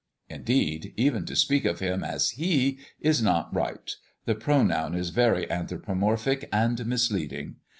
Indeed, even to speak of Him as He is not right; the pronoun is very anthropomorphic and misleading.